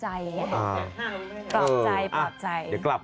เฉียบหน้าลูกด้วย